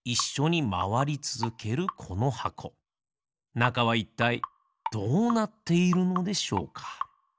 なかはいったいどうなっているのでしょうか？